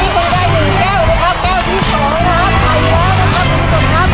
แก้วที่๓แล้วเพิ่งกลายแล้วนะครับ